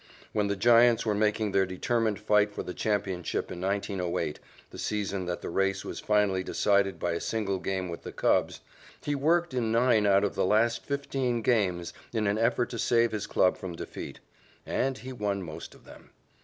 When the Giants were making their determined fight for the championship in 1908, the season that the race was finally decided by a single game with the Cubs, he worked in nine out of the last fifteen games in an effort to save his club from defeat. And he won most of them.